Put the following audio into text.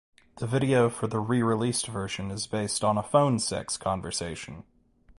The video for the re-released version is based on a phone sex conversation.